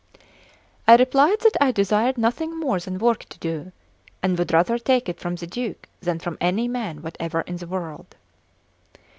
I replied that I desired nothing more than work to do, and would rather take it from the Duke than from any man whatever in the world.